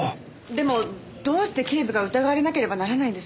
でもどうして警部が疑われなければならないんです？